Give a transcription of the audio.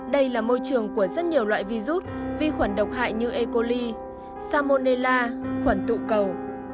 đây là môi trường của rất nhiều loại vi rút vi khuẩn độc hại như e coli salmonella khuẩn tụ cầu